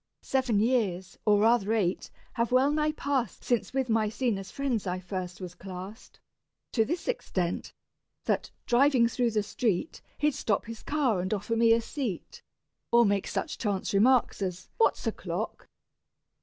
Seven years, or rather eight, have well nigh passed Since with Maecenas' friends I first was classed, To this extent, that, driving through the street, He'd stop his car and offer me a seat, Or make such chance remarks as "What's o'clock?"